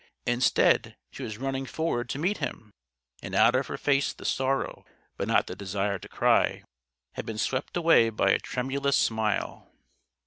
Instead, she was running forward to meet him. And out of her face the sorrow but not the desire to cry had been swept away by a tremulous smile.